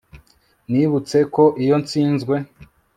c nibutse ko iyo nsinzwe